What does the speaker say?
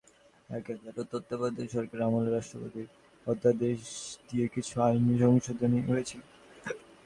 এক-এগারোর তত্ত্বাবধায়ক সরকারের আমলে রাষ্ট্রপতির অধ্যাদেশ দিয়ে কিছু আইনি সংশোধনী হয়েছিল।